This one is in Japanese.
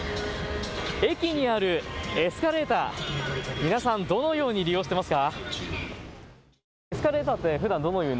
駅にあるエスカレーター、皆さん、どのように利用していますか。